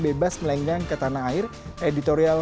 bebas melenggang ke tanah air editorial